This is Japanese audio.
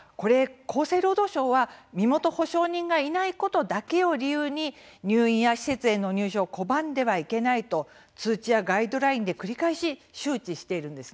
厚生労働省は身元保証人がいないことだけを理由に、入院や施設への入所を拒んではいけないと通知やガイドラインで繰り返し周知しているんです。